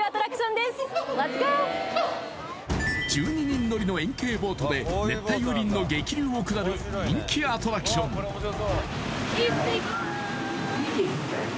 １２人乗りの円形ボートで熱帯雨林の激流を下る人気アトラクション行ってきまーす